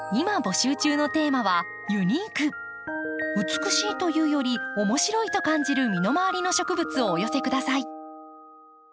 美しいというより面白いと感じる身の回りの植物をお寄せ下さい。